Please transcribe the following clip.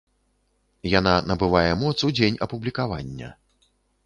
Яна набывае моц у дзень апублікавання.